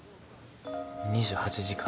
２８時間。